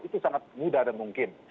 itu sangat mudah dan mungkin